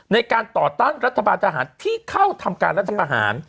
ในการต่อต้านรัฐบาลทหารที่เข้าทำการรัฐประหาร